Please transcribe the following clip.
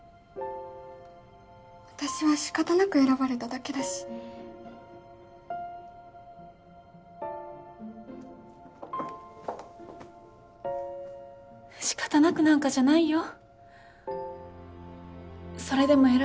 私はしかたなく選ばれただけだししかたなくなんかじゃないよ